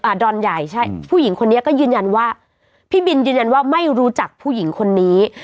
ดอนใหญ่ใช่ผู้หญิงคนนี้ก็ยืนยันว่าพี่บินยืนยันว่าไม่รู้จักผู้หญิงคนนี้